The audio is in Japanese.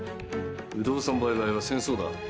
不動産売買は戦争だ。